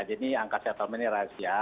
jadi angka settlement ini rahasia